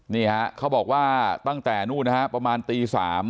นี่ฮะเขาบอกว่าตั้งแต่นู่นนะฮะประมาณตี๓